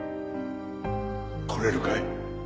来れるかい？